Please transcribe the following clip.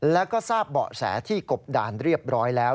แล้วก็ทราบเบาะแสที่กบดานเรียบร้อยแล้ว